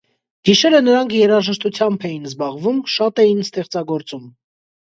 Գիշերը նրանք երաժշտությամբ էին զբաղվում, շատ էին ստեղծագործում։